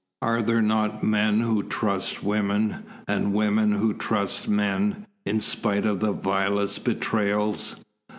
Are there not men who trust women, and women who trust men, in spite of the vilest betrayals?